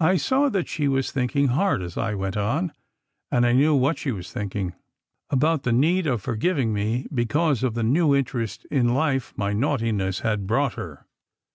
I saw that she was thinking hard as I went on, and I knew what she was thinking: about the need of forgiving me be cause of the new interest in life my naughtiness had brought her.